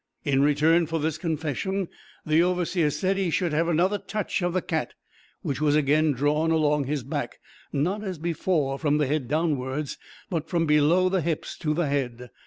In return for this confession, the overseer said he should have another touch of the cat, which was again drawn along his back, not as before, from the head downwards, but from below the hips to the head.